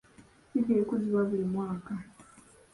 Eid ekuzibwa buli mwaka.